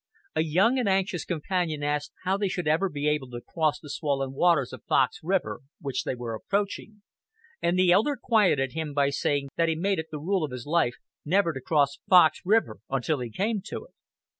A young and anxious companion asked how they should ever be able to cross the swollen waters of Fox River, which they were approaching, and the elder quieted him by saying that he made it the rule of his life never to cross Fox River until he came to it.